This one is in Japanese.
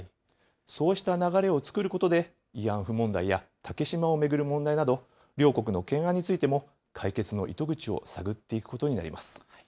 そうした流れを作ることで、慰安婦問題や竹島を巡る問題など、両国の懸案についても、解決の糸口を探っていくことになります。